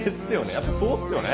やっぱそうっすよね。